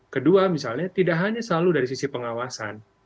kedua misalnya tidak hanya selalu dari sisi pengawasan